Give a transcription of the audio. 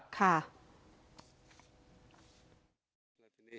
ขอบคุณครับค้า